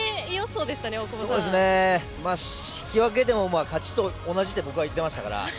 そうですね、引き分けても勝ちと同じと僕は言ってましたから。